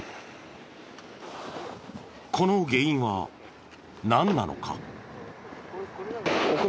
この原因はなんなのか？